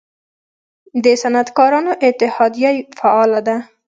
د صنعتکارانو اتحادیه فعال ده؟